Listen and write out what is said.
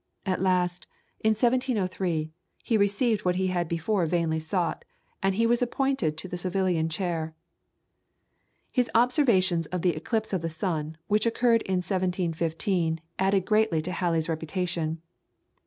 At last, in 1703, he received what he had before vainly sought, and he was appointed to the Savilian chair. His observations of the eclipse of the sun, which occurred in 1715, added greatly to Halley's reputation.